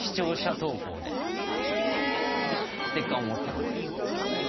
・ステッカーも持ってます。